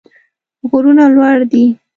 غرونه لوړ دي.